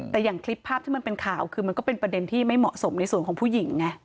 แต่อย่างคลิปภาพที่มันเป็นข่าวคือมันก็เป็นประเด็นที่ไม่เหมาะสมในส่วนของผู้หญิงไง